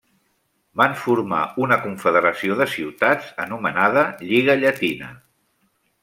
Van formar una confederació de ciutats, anomenada Lliga Llatina.